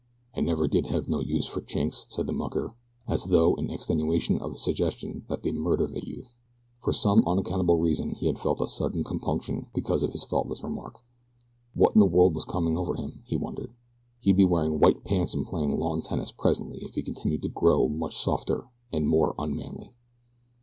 "I never did have no use fer Chinks," said the mucker, as though in extenuation of his suggestion that they murder the youth. For some unaccountable reason he had felt a sudden compunction because of his thoughtless remark. What in the world was coming over him, he wondered. He'd be wearing white pants and playing lawn tennis presently if he continued to grow much softer and more unmanly.